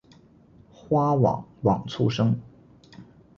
花往往簇生。